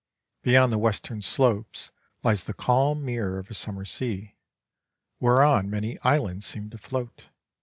Beyond the western slopes lies the calm mirror of a summer sea, whereon many islands seem to float.